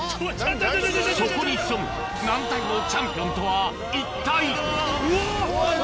そこに潜む軟体のチャンピオンとは一体？